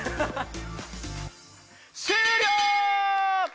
終了！